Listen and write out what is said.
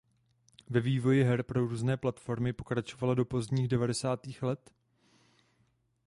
Ve vývoji her pro různé platformy pokračovalo do pozdních devadesátých let.